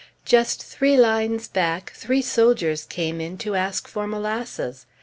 Just three lines back, three soldiers came in to ask for molasses.